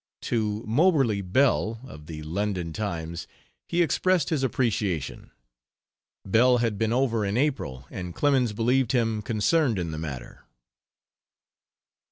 To Moberly Bell, of the London Times, he expressed his appreciation. Bell had been over in April and Clemens believed him concerned in the matter.